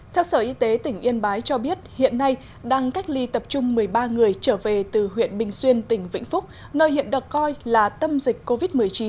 theo sở y tế tỉnh yên bái cho biết hiện nay đang cách ly tập trung một mươi ba người trở về từ huyện bình xuyên tỉnh vĩnh phúc nơi hiện được coi là tâm dịch covid một mươi chín